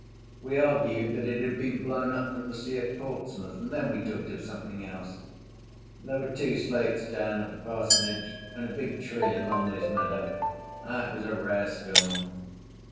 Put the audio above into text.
We argued that it had been blown up from the sea at Portsmouth, and then we talked of something else. There were two slates down at the parsonage and a big tree in Lumley's meadow. It was a rare storm.